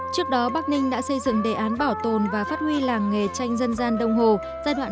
trước đó bắc ninh đã xây dựng đề án bảo tồn và phát huy làng nghề tranh dân gian đông hồ giai đoạn hai nghìn một mươi hai hai nghìn hai mươi